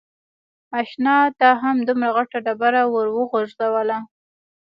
اشنا تا هم دومره غټه ډبره ور و غورځوله.